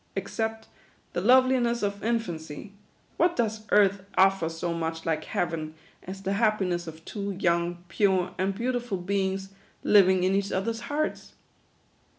Except the loveliness of in fancy, what does earth offer so much like Heaven, as the happiness of two young, pure, and beautiful be ings, living in each other's hearts